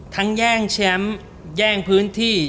แย่งแชมป์แย่งพื้นที่